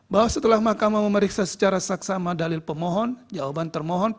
bahwa setelah mahkamah memeriksa secara saksama dalil pemohon jawaban termohon